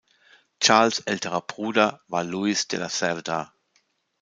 Charles' älterer Bruder war Louis de la Cerda.